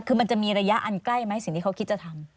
คือมันจะมีระยะอันใกล้ไหมสิ่งที่เขาคิดจะทำ